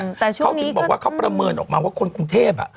เขาจึงบอกว่าเขาประเมินออกมาว่าคนกรุงเทพฯ